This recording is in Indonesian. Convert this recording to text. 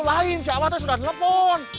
lain siapa teh sudah nelpon